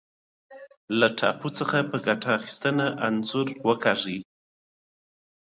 له ټاپو څخه په ګټه اخیستنه انځور وکاږئ.